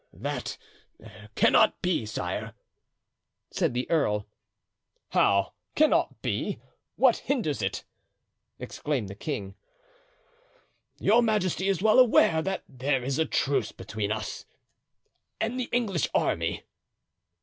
"That cannot be, sire," said the earl. "How, cannot be? What hinders it?" exclaimed the king. "Your majesty is well aware that there is a truce between us and the English army."